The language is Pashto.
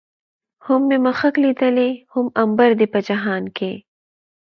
هم مې مښک ليدلي، هم عنبر دي په جهان کې